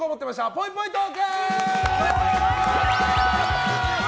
ぽいぽいトーク。